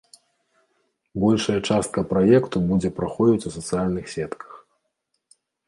Большая частка праекту будзе праходзіць у сацыяльных сетках.